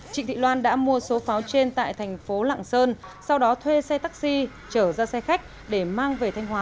trịnh thị loan đã mua số pháo trên tại thành phố lạng sơn sau đó thuê xe taxi trở ra xe khách để mang về thanh hóa